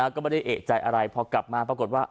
ก็ไม่ได้เอกใจอะไรพอกลับมาปรากฏว่า